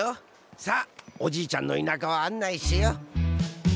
さあおじいちゃんの田舎を案内しよう。